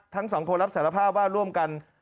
ทั้งสองคนรับสารภาพว่าร่วมกัน